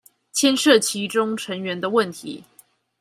牽涉其中成員的問題